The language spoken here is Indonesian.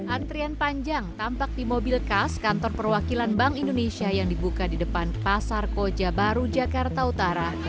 antrian panjang tampak di mobil khas kantor perwakilan bank indonesia yang dibuka di depan pasar koja baru jakarta utara